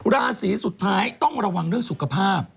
ราศีสุดท้ายต้องระวังเรื่องสุขภาพ